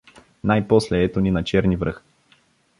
Най-после ето ни на Черни връх.